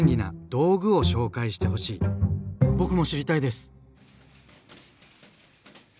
僕も知りたいです！